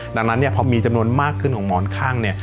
ดังนั้นพอมีจำนวนมากขึ้นของหมอนข้างเนี่ย